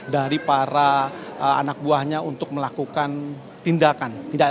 dari para anak buahnya untuk melakukan tindakan